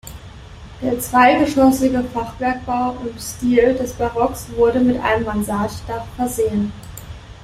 Der zweigeschossige Fachwerkbau im Stil des Barocks wurde mit einem Mansarddach versehen.